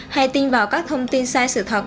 hay tin vào các thông tin sai sự thật